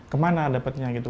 kemana dapatnya gitu